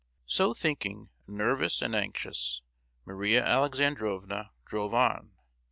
So thinking, nervous and anxious, Maria Alexandrovna drove on.